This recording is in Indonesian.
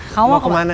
kamu mau kemana